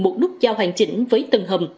một nút dao hoàn chỉnh với tầng hầm